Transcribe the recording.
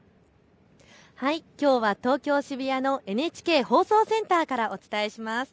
きょうは東京渋谷のＮＨＫ放送センターからお伝えします。